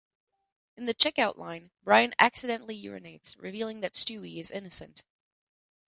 In the checkout line, Brian accidentally urinates, revealing that Stewie is innocent.